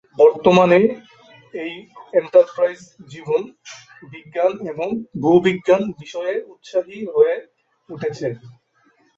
বর্তমানে এই এন্টারপ্রাইজ জীবন বিজ্ঞান এবং ভূ বিজ্ঞান বিষয়ে উৎসাহী হয়ে উঠেছে।